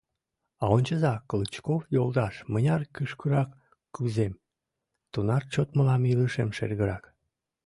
А ончыза, Клычков йолташ, мыняр кӱшкырак кӱзем, тунар чот мылам илышем шергырак...